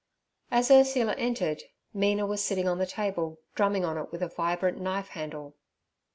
As Ursula entered Mina was sitting on the table drumming on it with a vibrant knife handle.